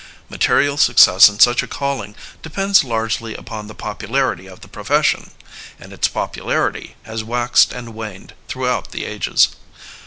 Material success in such a calling depends largely upon the popularity of the profession; and its popularity has waxed and waned throughout the ages.